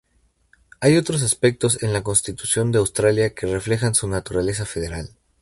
Hay otros aspectos en la Constitución de Australia que reflejan su naturaleza federal.